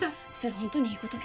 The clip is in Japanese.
ホントにいいことけ？